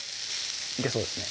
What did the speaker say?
いけそうですね